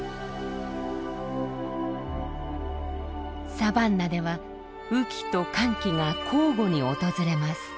サバンナでは雨季と乾季が交互に訪れます。